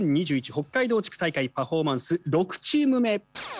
北海道地区大会パフォーマンス６チーム目。